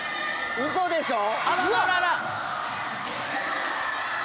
うそでしょう？